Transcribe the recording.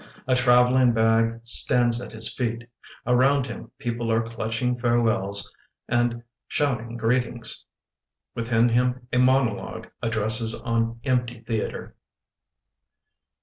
A traveling bag stands at his feet. Around hint people are clutching farewells and shouting greet ings. Within him a monologue addresses an empty theatre.